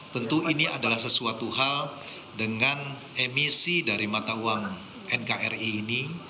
tentu ini adalah sesuatu hal dengan emisi dari mata uang nkri ini